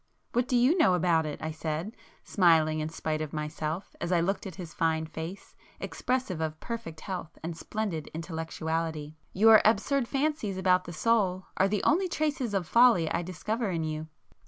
"What do you know about it?" I said, smiling in spite of myself as I looked at his fine face, expressive of perfect health and splendid intellectuality—"Your absurd fancies about the soul are the only traces of folly I discover in you."